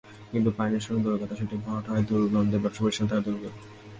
কিন্তু পানি নিষ্কাশন দূরের কথা, সেটি ভরাট হওয়ায় দুর্গন্ধে ব্যবসাপ্রতিষ্ঠানে থাকা দুষ্কর।